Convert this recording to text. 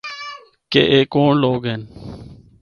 کہ اے کونڑ لوگ ہن۔